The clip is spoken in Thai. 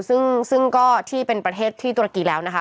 ซึ่งก็ที่เป็นประเทศที่ตุรกีแล้วนะคะ